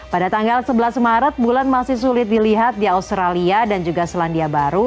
pada tanggal sebelas maret bulan masih sulit dilihat di australia dan juga selandia baru